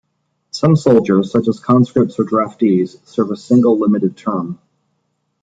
Some soldiers, such as conscripts or draftees, serve a single limited term.